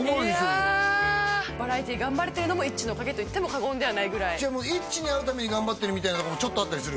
いやっバラエティ頑張れてるのもＩＴＺＹのおかげといっても過言ではないぐらいＩＴＺＹに会うために頑張ってるみたいなとこもあったりする？